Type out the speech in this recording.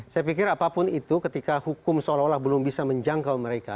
saya pikir apapun itu ketika hukum seolah olah belum bisa menjangkau mereka